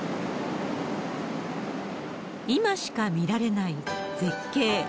今しか見られない絶景。